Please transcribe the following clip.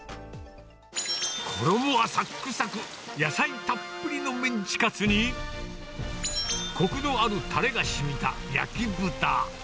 衣はさくさく、野菜たっぷりのメンチカツに、こくのあるたれがしみた焼き豚。